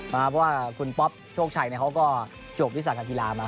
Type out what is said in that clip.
เพราะว่าคุณป๊อปโชคชัยเขาก็จบวิสาการกีฬามา